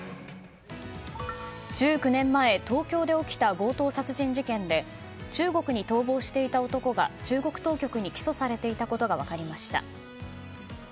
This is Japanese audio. １９年前、東京で起きた強盗殺人事件で中国に逃亡していた男が中国当局に起訴されていたことが分かりました。